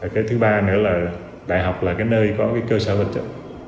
cái thứ ba nữa là đại học là nơi có cơ sở vật chất